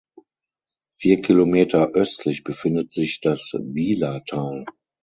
Vier Kilometer östlich befindet sich das Bielatal.